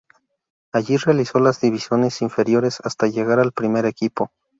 Allí realizó las divisiones inferiores hasta llegar a el Primer equipo.